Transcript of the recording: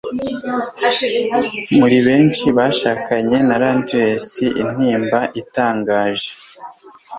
Muri benshi bashakanye na Londres intimba itangaje